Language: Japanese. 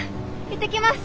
行ってきます！